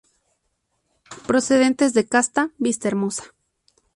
Procedentes de Casta Vistahermosa.